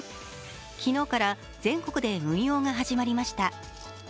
昨日から全国で運用が始まりました。